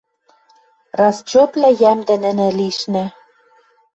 Расчетвлӓ йӓмдӹ нӹнӹ лишнӹ.